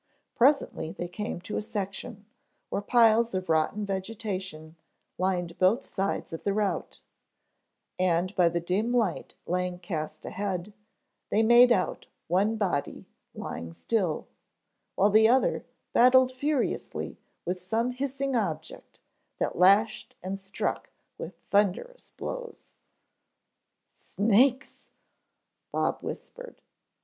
Presently they came to a section where piles of rotten vegetation lined both sides of the route, and by the dim light Lang cast ahead, they made out one body lying still, while the other battled furiously with some hissing object that lashed and struck with thunderous blows. "Snakes," Bob whispered.